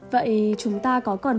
vậy chúng ta có còn